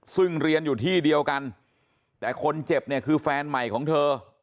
ซึ่งเรียนอยู่ที่เดียวกันแต่คนเจ็บเนี่ยคือแฟนใหม่ของเธอ